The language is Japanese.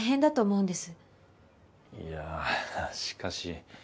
いやあしかし。